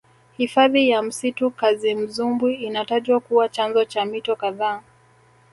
hifadhi ya msitu kazimzumbwi inatajwa kuwa chanzo cha mito kadhaa